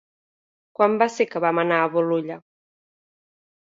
Quan va ser que vam anar a Bolulla?